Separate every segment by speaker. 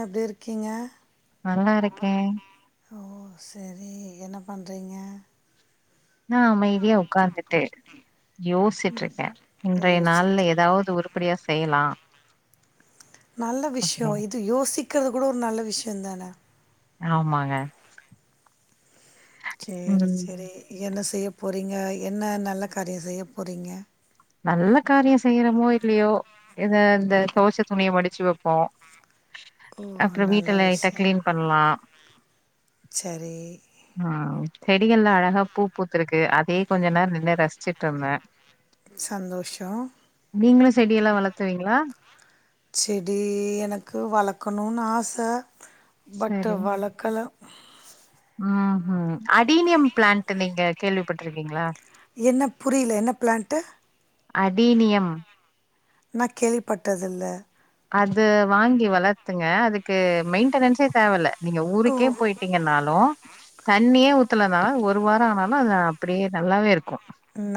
Speaker 1: அது இருக்கீங்க
Speaker 2: நல்லாருக்கே
Speaker 1: ஓ சரி என்ன பண்றீங்க?
Speaker 2: நா அமைதியா ஒக்காந்துட்டு யோசிட்ருக்கே இன்றைய
Speaker 1: யோசிச்சுட்டு
Speaker 2: நாள்ல எதாவுது உருப்புடியா செய்யலா
Speaker 1: நல்ல விஷ்யொ
Speaker 2: அப்டின்னு
Speaker 1: இது யோசி க்கறது கூட ஒரு நல்ல விஷ்யொந்தான
Speaker 2: ஆமாங்க
Speaker 1: சேரி
Speaker 2: ம்
Speaker 1: சேரி என்ன செய்ய போறீங்க? என்ன நல்ல காரிய செய்ய போறீங்க?
Speaker 2: நல்ல காரிய செய்றமோ இல்லயோ எதா இந்த தொவச்ச துணிய மடிச்சு வப்போ
Speaker 1: ஓ
Speaker 2: அப்ற வீட்ட
Speaker 1: நல்ல
Speaker 2: லைட்டா
Speaker 1: விஷயம்
Speaker 2: க்ளீன் பண்லா
Speaker 1: சரி
Speaker 2: ம் செடிகள்ல அழகா பூ பூத் துருக்கு அதயே கொஞ்ச நேர நின்னு ரசிச்சுட்ருந்தே
Speaker 1: சந்தோஷொ
Speaker 2: நீங்களு செடியெல்லா வளத்துவீங்ளா?
Speaker 1: செடீ எனக்கு வளக்கனுன் ஆச பட்டு
Speaker 2: சரி
Speaker 1: வளக்கல
Speaker 2: ம் ஹும் அடீனியம் பிளான்ட்டு நீங்க கேள்விபட்ருக்கீங்ளா?
Speaker 1: என்ன புரில என்ன பிளான்ட்டு?
Speaker 2: அதீனியம்
Speaker 1: நா கேள்விபட்டதில்ல
Speaker 2: அது வாங்கி வளத்துங்க அதுக்கு மெயின்டனன்ஸே தேவல்ல நீங்க
Speaker 1: ஓ
Speaker 2: ஊருக்கே போய்ட்டிங்கன்னாலு தண்ணியே ஊத்தலனா ஒரு வார ஆனாலு அது அப்புடியே நல்லாவே இரு க்கு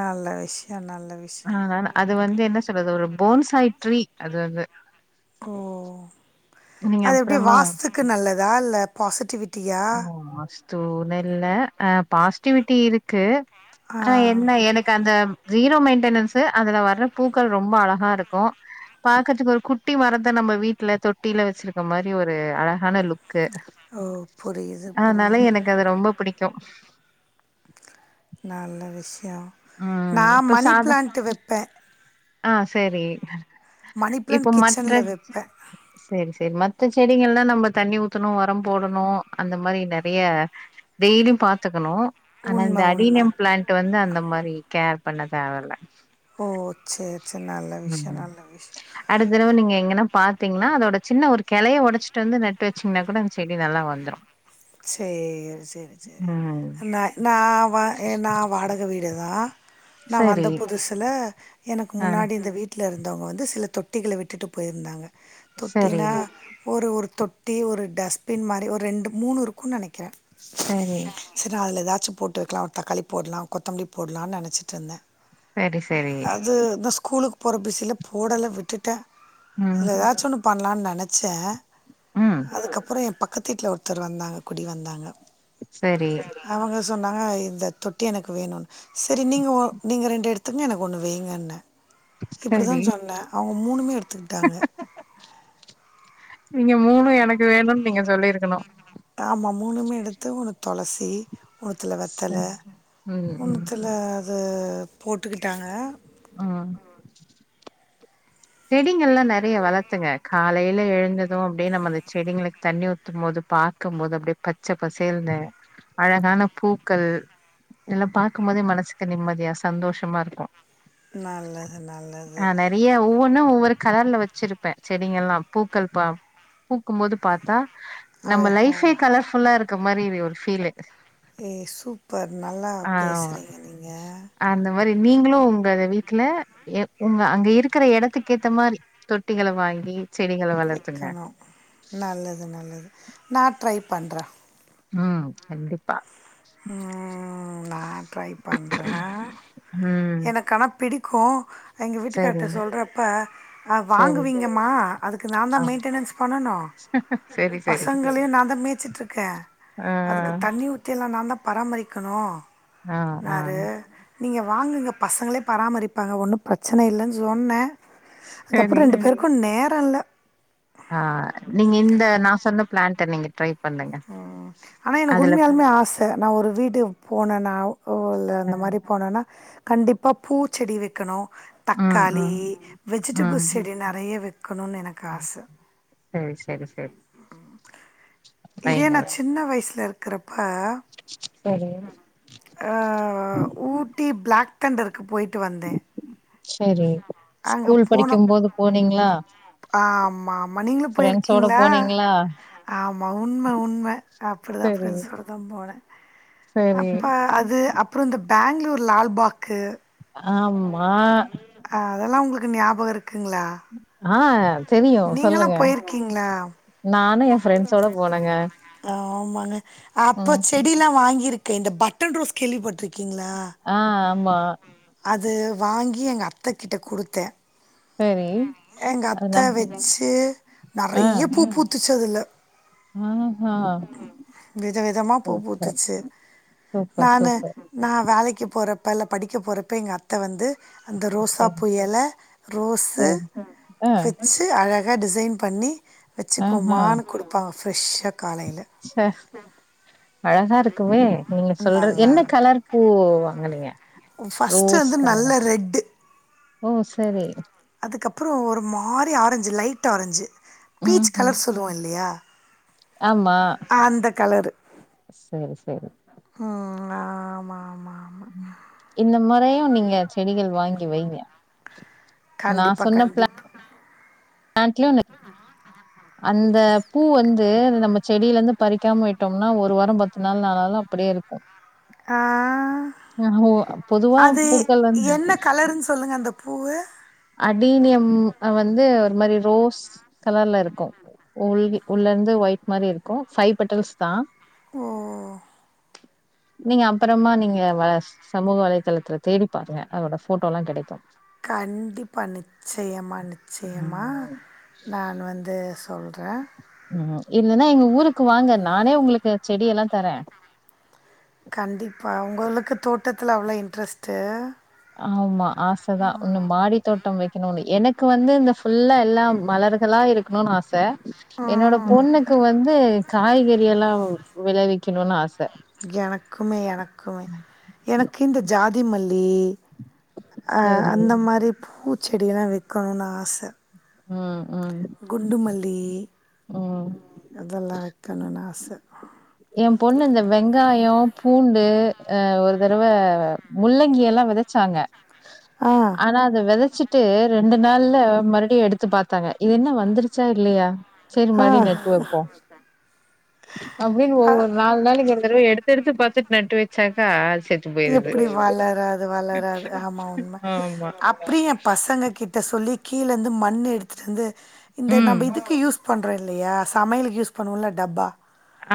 Speaker 1: நல்ல விஷயம் நல்ல விஷயம்
Speaker 2: ஆ அது வந்து என்ன சொல்றது ஒரு போன்ஸ் ஆயி ட்ரீ அது வந்து
Speaker 1: ஓ
Speaker 2: ஆஹ
Speaker 1: அது எப்டி வாஸ்துக்கு நல் லதா இல்ல பாசிட்டிவி
Speaker 2: ஓ வாஸ்தூனில்ல ஆ பாசிட்டிவிட்டி இருக்கு
Speaker 1: ஆ
Speaker 2: ஆனா என்ன எனக்கு அந்த ஜீரோ மெயிடெனன்ஸு அதுல வர்ற பூக்கள் ரொம்ப அழகா இருக்கு பாக்கறதுக்கு ஒரு குட்டி மரத்த நம்ம வீட்ல தொட்டியில வச்சிருக்க மாரி ஒரு அழகான லுக்
Speaker 1: ஓ புரி
Speaker 2: ஆனாலு எனக்கு அது ரொம்ப புடிக்கு
Speaker 1: நல்ல விஷய யா நா
Speaker 2: ம் இப்ப
Speaker 1: மணி
Speaker 2: சாதா
Speaker 1: பிளான்ட்டு வெப்பே
Speaker 2: ஆ செரி
Speaker 1: மணி
Speaker 2: இப்ப
Speaker 1: பிளான்ட்
Speaker 2: மற்ற
Speaker 1: கிச்சன்ல வெப்பே
Speaker 2: செரி செரி மத்த செடிகள்லா நம்ம தண்ணி ஊத்தணு ஒரம் போடணு அந்த மாரி நெறய டெய்லி பாத்துக்கணு ஆனா இந்த
Speaker 1: உண்ம உண்ம
Speaker 2: அடீனியம் பிளான்ட் வந்து அந்த மாதிரி கேர் பண்ண தேவல்ல
Speaker 1: ஓ சேரி
Speaker 2: ம் அடுத்தடவ நீங்க எங்கனா பாத்திங்கெனா அதோட சின்ன ஒரு கெளய ஒடச்சிட்டு வந்து நட்டு வச்சீங்கனா கூட அந்த செடி நல்லா வந்துரு
Speaker 1: சேரி சேரி சேரி சேரி
Speaker 2: ம்
Speaker 1: ந ந வா ந வாடக வீடு வீடுதா நா வந்த
Speaker 2: சரி
Speaker 1: புதுசுல எனக்கு
Speaker 2: ஆ
Speaker 1: முன்னாடி இந்த வீட்டுல இருந்தவங்க வந்து சில தொட்டிகள விட்டுட்டு போயிருந்தாங்க
Speaker 2: சரி
Speaker 1: தொட்டினா ஒரு ஒரு தொட்டி ஒரு டஸ்பின் மாரி ஒரு ரெண்டு மூனு க்கு நெனக்குறே
Speaker 2: சரி
Speaker 1: ந அதுல ஏதாச்சு போட்டு வெக்கலா தக்காளி போடலா கொத்தமல்லி போடலானு நெனச்சிட்டுருந்தே
Speaker 2: செரி செரி
Speaker 1: ஸ்கூலுக்கு போற பிஸியில போடல விட்டுட்டே
Speaker 2: ம்
Speaker 1: அதுல ஏதாச்சு ஒன்னு பண்லால நெனச்சே
Speaker 2: ம்
Speaker 1: அதுக்கப்றோ எம்பக்க பக்கத்து வீட்ல் ஒருத்தர் வந்தாங்க குடி வந்தாங்க
Speaker 2: சரி
Speaker 1: அவுங்க சொன்னாங்க இந்த தொட்டி எனக்கு வேணுனு செரி நீங்க நீங்க ரெண்டு எடுத்துக்கங்க எனக்கு ஒன்னு வைங்கன்னே இப்டித்தா
Speaker 2: சரி
Speaker 1: சொன்னே அவுங்க மூனுமே எடுத்துக்கிட்டாங்க
Speaker 2: நீங்க மூணு எனக்கு வேணுன்னு நீங்க சொல்லிருக்கணு
Speaker 1: ஆமா மூணுமே எடுத்து ஒன்னு தொளசி மூத்துல
Speaker 2: ச
Speaker 1: வெத்தல
Speaker 2: ம் ம்
Speaker 1: நூத்துல ஆ போட்டுக்கிட்டாங்க
Speaker 2: ஆ செடிங்கல்லா நெறைய வளத்துங்க காலையில எழுந்து அதுவு அப்பிடியே நம்ம அந்த செடிகளுக்கு தண்ணி ஊத்தும் போது பாக்குபோது அப்பிடியே பச்ச பசேல்ன்னு அழகான பூக்கள் இதல்லா பார்க்கும் போது மனசுக்கு நிம்மதியா சந்தோஷமா இருக்கு
Speaker 1: நல்லது நல்லது
Speaker 2: ஒன்னு ஒவ்வொரு கலர்ல வச்சிருப்பே செடிங்கலெலா பூக்கள் பா பூக்கு போது பாத்தா நம்ம
Speaker 1: அழகா
Speaker 2: லைஃபே கலர்ஃபுல்லா இருக்க மாரி இரு ஃபீலு
Speaker 1: ஏ சூப்
Speaker 2: ஆ அந்த மாரி நீங்களும் இந்தது வீட்ல எப் உங்க அங்க இருக்கிற எடத்துக்கு ஏத்த மாரி தொட்டிகள வாங்கி செடிகள வளர்த்துங்க
Speaker 1: நிக்கணு நல்லது நல்லது நா ட்ரை பண்றே
Speaker 2: ஆ கண்டிப்பா
Speaker 1: ம் நா ட்ரை பண்றே
Speaker 2: ம்
Speaker 1: எனக் ஆனா பிடிக்கு எங்க
Speaker 2: சரி
Speaker 1: வீட்டுக்கார்ட சொல்றப்ப அ
Speaker 2: சரி
Speaker 1: வாங்குவீங்கம்மா அதுக்கு நா தா
Speaker 2: ஆ
Speaker 1: மெயின்டனன்ஸ் பண்ணணு
Speaker 2: சரி சரி
Speaker 1: பசங்களயு நா தா மேய்ச்சிட்ருக்கே
Speaker 2: ஆ
Speaker 1: அதுக்கு தண்ணி ஊத்தியெல்லா நா தா பராமரிக்கணு
Speaker 2: ஆ ஆ
Speaker 1: நீங்க வாங்குங்க பசங்களே பராமரிப்பாங்க ஒன்னு பிரச்சன இல்லன்னு சொன்னே அதுக்கப்பறோ
Speaker 2: சரி
Speaker 1: ரெண்டு பேருக்கு நே டல்ல
Speaker 2: ஆ நீங்க இந்த நா சொன்ன பிளான்ட நீங்க ட்ரை பண்ணுங்க
Speaker 1: ஆனா எனக்கு
Speaker 2: அதுல
Speaker 1: உண்மையாலுமே ஆச நா ஒரு வீட்க் போனனாவு ஓ ச
Speaker 2: அ
Speaker 1: அந்த மாரி போனன்னா கண்டிப்பா பூச்செடி வைக்கணு
Speaker 2: ம்
Speaker 1: தக்காளி
Speaker 2: ம்
Speaker 1: வெஜிடபிள்
Speaker 2: ம்
Speaker 1: செடி நெறைய வைக் க்கணுன் எனக்கு ஆச
Speaker 2: சரி சரி சரி
Speaker 1: இதே
Speaker 2: வைங்க
Speaker 1: நா
Speaker 2: வைங்க
Speaker 1: சின்ன வயசுல இரு க்குறப் ப
Speaker 2: சரி
Speaker 1: ஆ ஊட்டி பிளாக் தண்டருக்கு போயிட்டு வந்தே
Speaker 2: செரி ஸ்கூல் படிக்கும் போது போனீங்ளா
Speaker 1: ஆமா ஆமா நீங்களு போயிருக்கீங்ளா
Speaker 2: போனீங்களா
Speaker 1: ஆமா உண்ம உண்ம அப்பிடிதா
Speaker 2: சரி
Speaker 1: ஃப்ரெண்ட்ஸ் கூட தா போனே
Speaker 2: சரி
Speaker 1: அப்ப அது அப்றொந்த பெங்களூர் லால்பாக்கு
Speaker 2: ஆமா
Speaker 1: கு ஞாபக இரு க்குங்ளா?
Speaker 2: ஆ தெரியு
Speaker 1: நீங்களா
Speaker 2: சொல்லுங்க
Speaker 1: போயிருக்கீங்ளா?
Speaker 2: நானு எ ஃப்ரெண்ட்ஸோட போனேங்க
Speaker 1: ஆமாங்க அப்ப
Speaker 2: ம்
Speaker 1: செடில்லா வாங்கியிரு இந்த பட்டன் ரோஸ் கேள்விபட்ருக்
Speaker 2: ஆ ஆமா
Speaker 1: அது வாங்கி எங்க அத்தக்கிட்ட குடுத்தே
Speaker 2: சரி
Speaker 1: எங்க
Speaker 2: அதெல்லா
Speaker 1: அத்த வச்சு
Speaker 2: ஆ
Speaker 1: நெறைய பூ பூத்துச்சு அதுல
Speaker 2: ஆஹா
Speaker 1: வித விதமா பூ
Speaker 2: சூப்பர்,
Speaker 1: பூத்துச்சு
Speaker 2: சூப்பர்,
Speaker 1: நானு
Speaker 2: சூப்பர்.
Speaker 1: நா வேலைக்கு போற ப்பல்ல படிக்க போற ப்ப எங்க அத்த வந்து அந்த
Speaker 2: சரி,
Speaker 1: ரோசாப்பூ எல ரோஸு
Speaker 2: சரி. ஆ,
Speaker 1: வச்சு அழ கா டிசைன் பண்ணி வச்சுக்கோமானு குடுப்பாங்க ஃப்ரெஷ்ஷா காலையில
Speaker 2: ச அழகா இருக்குமே நீங்க சொல்ற என்ன கலர் பூ வாங்குனீங்க?
Speaker 1: ஃபர்ஸ்ட்டு
Speaker 2: ரோஸ்
Speaker 1: வந்து நல்ல
Speaker 2: கலரா?
Speaker 1: ரெட்டு
Speaker 2: ஓ செரி
Speaker 1: அதுக்கப்றொ ஒரு மாரி ஆரஞ்சு லைட் ஆரஞ்சு பீச்
Speaker 2: ம்ஹ்ம்.
Speaker 1: கலர் சொல்லுவோ இல்லையா
Speaker 2: ஆமா
Speaker 1: அந்த கலரு
Speaker 2: சரி சரி
Speaker 1: ஆ மா மா
Speaker 2: இப்பயு நீங்க செடிகள் வாங்கி வைங்க நான்
Speaker 1: கண்டிப்பா
Speaker 2: சொன்ன
Speaker 1: கண்டிப்
Speaker 2: [unintelligible] அந்த பூ வந்து நம்ம செடியில இருந்து பறிக்காம விட்டோம்னா ஒரு வாரோ பத்து நாள் ஆனாலு அப்டியே இருக்கு
Speaker 1: ஆ
Speaker 2: பொதுவா
Speaker 1: அது
Speaker 2: பூக்கள் வந்து
Speaker 1: என்ன கலர்ன்னு சொல்லுங்க அந்த பூவு
Speaker 2: அடீனியம் வந்து ஒரு மாரி ரோஸ் கலர்ல இருக்கு உள் உள்ள இருந்து ஒயிட் மாரி இருக்கு ஃபை பெட்டல்ஸ் தா
Speaker 1: ஓ
Speaker 2: நீங்க அப்புறமா நீங்க வ சமூக வலைத்தளத்துல தேடி பாருங்க அதோட ஃபோட்டோலா கெடைக்கு
Speaker 1: கண் டிப்பா நிச்சயமா நிச்சயமா நான் வந்து சொ
Speaker 2: உ இல்லைன்னா எங்க ஊருக்கு வாங்கன் நானே உங்களுக்கு செடி எல்லா தரே
Speaker 1: கண்டிப்பா உங்களுக்கு தோட்டத்துல அவ்ளோ இன்ட்ரெஸ்ட்டு
Speaker 2: ஆமா ஆச தா இன்னு மாடித் தோட்டோ வைக்கணும்னு எனக் க்கு வந்து இந்த ஃபுல்லா எல்லா மலர்களா இருக்கணும்னு ஆச என்னோட
Speaker 1: ம்
Speaker 2: பொண்ணுக்கு வந்து காய்கறி எல்லா விளவிக்கணும்னு ஆஸ்
Speaker 1: எனக்குமே எனக்குமே எனக்கு இந்த ஜாத் தி மல்லி அ
Speaker 2: சரி
Speaker 1: அந்த மாரி பூத் செடியெல்லா வெக்கணும்னு ஆச
Speaker 2: ம் ம்
Speaker 1: குண்டுமல்லி
Speaker 2: ம்
Speaker 1: டீ அதெல்லா வக்கணும்னு ஆச
Speaker 2: எ பொண்ணு இந்த வெங்காயோ பூண் உஆ ஒரு தரவ முள்ளங்கி எல்லா வெதச்சாங்க
Speaker 1: ஆ
Speaker 2: ஆனா அத வெதச்சிட்டு ரெண்டு நாள்ல மறுடியு எடுத்து பாத்தாங்க இது என்ன வந்துருச்சா இல்லையா சரி
Speaker 1: ஆ
Speaker 2: மடி நட்டு வெப்போ
Speaker 1: அ
Speaker 2: ஒவ்வொரு நாள் நாளைக்கு இந்த தடவ எடுத்து எடுத்து பாத்துட்டு நட்டு வச்சாக்கா செத்து போயிருது.
Speaker 1: எப்டி வளராது வளராது ஆமா உண்ம
Speaker 2: ஆமா.
Speaker 1: அப்டி எ பசங்க கிட்ட சொல்லி கீழ இருந்து மண்ணு எடுத்துட்டு வந்து இந்த
Speaker 2: ம்.
Speaker 1: நம்ம இதுக்கு யூஸ் பண்றோ இல்லயா சமையலுக்கு யூஸ் பண்ணுவோல டப்பா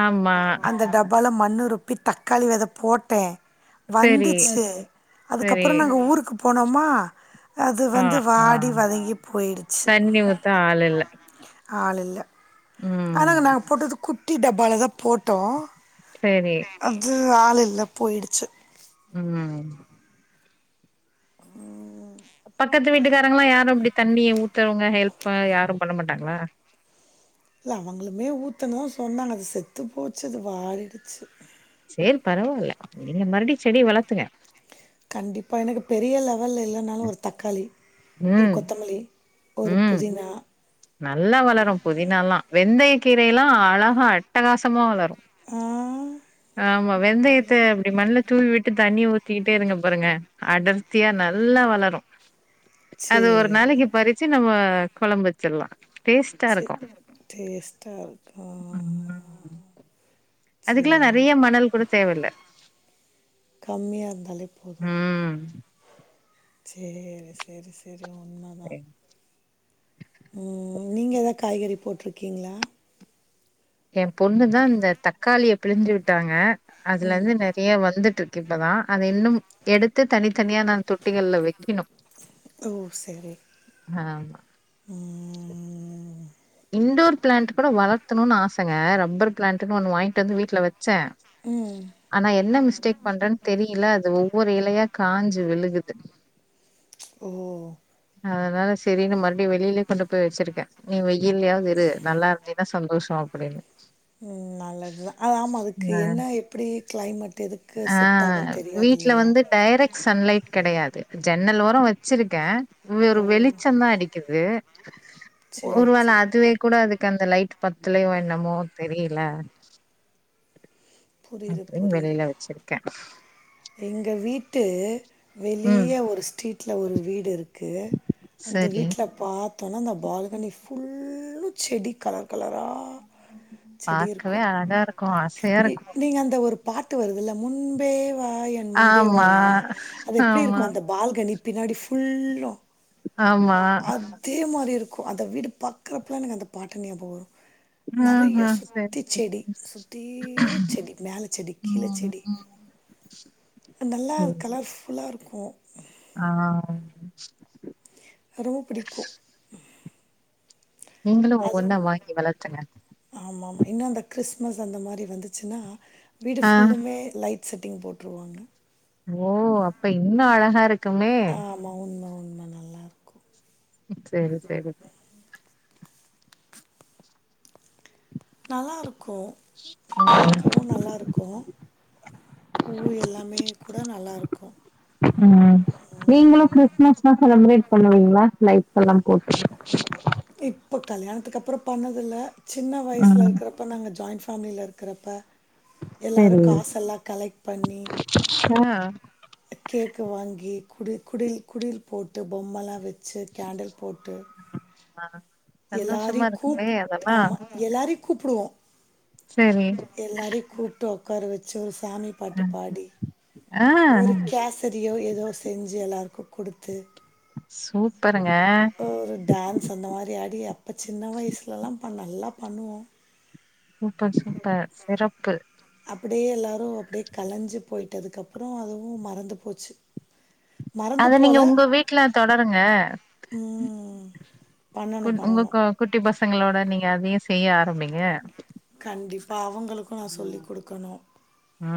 Speaker 2: ஆமா.
Speaker 1: அந்த டப்பால மண்ணு திருப்பி தக்காளி வெத போட்டே
Speaker 2: சரி,
Speaker 1: வந்துச்சு
Speaker 2: சரி.
Speaker 1: அதுக்கப்புற நாங்க ஊருக்கு போனோமா அது
Speaker 2: ஆ,
Speaker 1: வந்து
Speaker 2: ஆ.
Speaker 1: வாடி வதங்கி போயிடுச்சு
Speaker 2: தண்ணி ஊத்த ஆள் இல்ல.
Speaker 1: ஆளில்ல
Speaker 2: ம்.
Speaker 1: ஆனங்க நாங்க போட்டது கு குட்டி டப்பால தா போட்டோ
Speaker 2: சரி.
Speaker 1: அது ஆள் இல்ல போயிடு ச
Speaker 2: உம்
Speaker 1: உ [inaudible]
Speaker 2: பக்கத்து வீட்டுக்காரங்கல்லா யாரும் இப்டி தண்ணிய ஊத்துறவங்க ஹெல்ப் யாரு பண்ண மாட்டாங்ளா
Speaker 1: இல்ல அவுங்களுமே ஊத்தனு சொன்னாங்க அது செத்து போச்சு அது வாடிடுச்சு
Speaker 2: சேரி பரவாயில்ல நீங்க மறுபடி செடிய வளத்துங்க
Speaker 1: கண்டிப்பா எனக்கு பெரிய லெவல்ல இல்லைனாலு ஒரு தக்காளி ஒரு
Speaker 2: ம்
Speaker 1: கொத்தமல்லி ஒரு
Speaker 2: ம்
Speaker 1: புதினா
Speaker 2: நல்லா வளரு புதினால்லா வெந்தய கீரை எல்லா அழகா அட்டகாசமா வளரு
Speaker 1: ஆஹ்
Speaker 2: ஆமா வெந்தயத்த அப்டி மண்ல தூவி விட்டு தண்ணிய ஊத்திக்கிட்டே இருங்க பாருங்க அடர்த்தியா நல்லா வளரு அது ஒரு
Speaker 1: சேரி
Speaker 2: நாளைக்கு பறிச்சு நம்ம ஆ கொழம்பு வச்சிற்லா
Speaker 1: ச டேஸ்டா இருக்கு
Speaker 2: அதுகுலா நறையா மணல் கூட தேவயில்ல
Speaker 1: கம்மியா இருந்தாலேப்
Speaker 2: உ
Speaker 1: சேரி சரி சரி
Speaker 2: கரெக்
Speaker 1: உ நீங்க எதா காய்கறி போட்ருக்கீங்ளா
Speaker 2: எ பொண்ணு தா இந்த தக்காளிய பிழிஞ்சு விட் டாங்க அதுலருந்து நெறயா வந்துட்டு இப்பதா அத இன்னு எடுத்து தனித்தனியா நா தொட்டிகள்ல வக்கிணு
Speaker 1: ஓ சேரி
Speaker 2: ஆ
Speaker 1: உ
Speaker 2: இண்டோர் பிளாண்ட் கூட வளத்தணுனு ஆசங்க ரப்பர் பிளாண்ட்னு ஒன்னு வாங்ட்டு வந்து வீட்ல வ சே ஆனா என்ன மிஸ்டேக் பண்றேன் தெரியில அது ஒவ்வொரு இலையா காஞ்சு விழு குது
Speaker 1: ச் ஓ
Speaker 2: அதனால சேரினு மறுடி வெளிலே கொண்டு போய் வச்சிருக்கே நீ வை ல்லேயாவது இரு நல்லா இருந்தே ந்தா சந்தோஷோ அப்டின்னு
Speaker 1: உ நல்லதுதா ஆமா அதுக்கு
Speaker 2: அ
Speaker 1: என்ன எப்டி கிளைமேட் எதுக்கு
Speaker 2: ஆ
Speaker 1: செட் ஆகன்னு
Speaker 2: வீட்ல
Speaker 1: தெரியாதில்லயா
Speaker 2: வந்து டைரக்ட் சன்லைட் கெடையாது ஜன்னல் ஓரோ வச்சிருக்கே வ ஒரு வெளிச்சந்தா அடிக்குது
Speaker 1: சேரி
Speaker 2: ஆனா அதுவே கூட அதுக்க அந்த லைட் பத்துலயோ என்னமோ தெரியில
Speaker 1: புரியுது
Speaker 2: அப்டியு
Speaker 1: புரியுது
Speaker 2: வெளில வச்சிருக்கே
Speaker 1: எங்க வீட்டு
Speaker 2: ம்
Speaker 1: வெளிய ஒரு ஸ்ட்ரீட் வீட்ல ஒரு வீடு இருக் அந்த
Speaker 2: சரி
Speaker 1: வீட்ல பாத் த்தல அந்த பால்கனி ஃபுல்லு செடி கலர் கலரா செடி
Speaker 2: பாக்கவே
Speaker 1: இருக்கும்.
Speaker 2: அழகாருக்கு
Speaker 1: இ
Speaker 2: ஆசையாருக்கு
Speaker 1: நீங்க அந்த ஒரு பாட்டு வருதுல்ல முன்பேவ் வா என்
Speaker 2: ஆமா
Speaker 1: முன்பேவால அது
Speaker 2: ஆமா
Speaker 1: எப்டிருக்கு அந்த பால்கனிப் பின்னாடி ஃபுல்லு
Speaker 2: ஆமா
Speaker 1: அதே மாரி இருக் க்கு அந்த வீடு பாக்குறப்பல்ல எனக்கு அந்த பாட்டு ஞியாபகோ வரு நறையா
Speaker 2: ஆஹா சரி
Speaker 1: சுத்தி
Speaker 2: சரி
Speaker 1: செடி சுத்தில்லு செடி மேல செடி கீழ
Speaker 2: ம்
Speaker 1: செடி
Speaker 2: ம்
Speaker 1: நல்லா
Speaker 2: சரி
Speaker 1: கலர் ஃபுல்லா நல்லாருக்கு
Speaker 2: ஆ ஆம்
Speaker 1: ரொம்ப புடிக்கு
Speaker 2: நீங்களு ஒன்ன வாங்கி வளத்துங்க
Speaker 1: இன்னு அந்த கிறிஸ்மஸ் அந்த மாரி வந்துச்சுன்னா வீடு
Speaker 2: ஆ
Speaker 1: ஃபுல்லுமே லைட் செட்டிங் போட்ருவாங்க
Speaker 2: ஓ அப்ப இன்னு அழகா இருக்
Speaker 1: ஆமா உண்ம உண் ரொம்ப நல்லாருக்கு
Speaker 2: ம் சேரி சேரிக்
Speaker 1: நல்லா இருக்கு பாக்கவு நல்லா இருக்கு
Speaker 2: ம் நீங்களு கிறிஸ்மஸ்ல்லா செலிப்ரேட் பண்ணுவீங்களா லைட்ஸ் எல்லா போட்டு
Speaker 1: இப்போ கல்யாணத்துக்கு அப்புறோ பண்ணதில்ல சின்ன வயிசுல
Speaker 2: ம்
Speaker 1: இருக்குறப்ப நாங்க ஜாயின்ஃ ஃபேமிலில இருக்குறப்ப எல்லாரு
Speaker 2: சேரி
Speaker 1: காஸ் எல்லா கலைக்ட் பண்ணி
Speaker 2: ஆ
Speaker 1: கேக்கு வாங்கி குடு குடில் குடில் போட்டு பொம்மளா வச் ச்ச கேண்டல் போட்டு
Speaker 2: ஆஹ
Speaker 1: எல்லாரையு கூப் ஆமா எல்லாரையு கூப்புடுவோ
Speaker 2: சேரி
Speaker 1: எல்லாரியு கூப்ட்டோ கரச்சி ஒரு ஸ் சாமி பாட்டுப்பாடி
Speaker 2: ஆ
Speaker 1: ஒரு கேசரியோ ஏதோ செஞ்சி எல்லாருக்கு குடுத்து
Speaker 2: சூப்பருங்க
Speaker 1: டியா இப்ப சின்ன வயசுல்லா அப்ப நல்லா பண்ணுவோ
Speaker 2: சூப்பர் சிஸ்டர் சிறப்பு
Speaker 1: அப்பிடியே எல்லாரு அப்பிடியே கலைஞ்சி போய்டிட்டதுக்கப்புறோ அதுவு மறந்து போச்சி
Speaker 2: அத நீங்க உங்க வீட்ல தொடருங்க
Speaker 1: ம்
Speaker 2: கு
Speaker 1: பண்ணணு
Speaker 2: உங்க
Speaker 1: பண்ணணு
Speaker 2: க் குட்டி பசங் சங்களோட நீங்க அதயே செய்ய ஆரபிங்க
Speaker 1: கண்டிப்பா அவுங்
Speaker 2: ஆ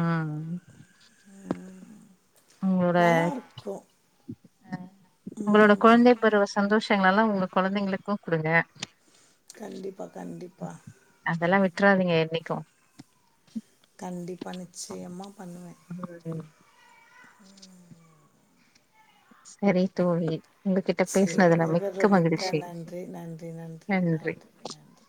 Speaker 1: நல்லா இருக்கு
Speaker 2: உங்களோட கொழந்தை பருவ சந்தோஷங்கல்லா உங்களுக் கொழந்தைங்களுக்கு குடுங்க
Speaker 1: கண்டிப்பா கண்டிப்பா
Speaker 2: ட்றாதீங்க என்னிக்கு
Speaker 1: [inaudible] மன்ச்சியமாங்க
Speaker 2: ம் சேரி தோழி உங்ககிட்ட
Speaker 1: சேரி
Speaker 2: பேசுனதுல
Speaker 1: விவர
Speaker 2: மிக்க
Speaker 1: மிக்கா
Speaker 2: மகிழ்ச்சி
Speaker 1: நன்றி நன்றி நன்றி நன்றி நன்றி